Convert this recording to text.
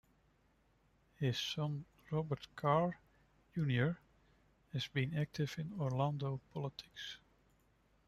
His son, Robert Carr, Junior has been active in Orlando politics.